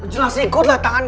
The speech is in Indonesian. tahan kodlah tahan